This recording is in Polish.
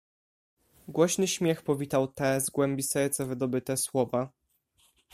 "Głośny śmiech powitał te, z głębi serca wydobyte, słowa."